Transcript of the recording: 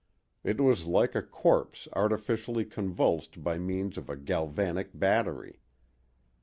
It was like a corpse artificially convulsed by means of a galvanic battery.